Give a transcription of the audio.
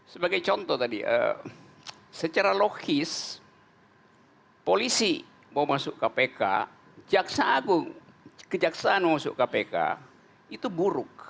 sebagai contoh tadi secara logis polisi mau masuk kpk jaksa agung kejaksaan mau masuk kpk itu buruk